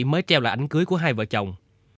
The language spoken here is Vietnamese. mới treo lại ảnh cưới của hai vợ chồng